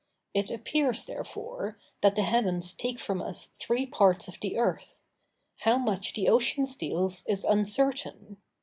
It appears, therefore, that the heavens take from us three parts of the earth; how much the ocean steals is uncertain.